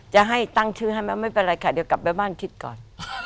จะให้ตั้งชื่อให้ไหมไม่เป็นไรค่ะเดี๋ยวกลับไปบ้านคิดก่อน